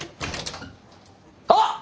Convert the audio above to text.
あっ！